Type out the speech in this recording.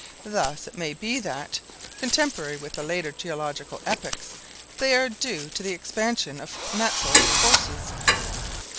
Thus it may be that, contemporary with the later geological epochs, they are due to the expansion of natural forces.